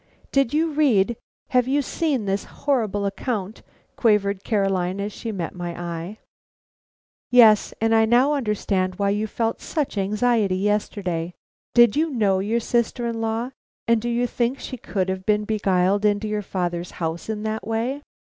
"Did you read have you seen this horrible account?" quavered Caroline, as she met my eye. "Yes, and I now understand why you felt such anxiety yesterday. Did you know your sister in law, and do you think she could have been beguiled into your father's house in that way?"